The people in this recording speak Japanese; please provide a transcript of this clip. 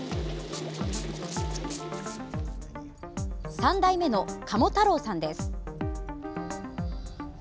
３代目の加茂太郎さんです。